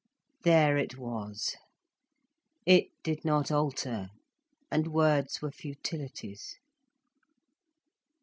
There it was, it did not alter, and words were futilities.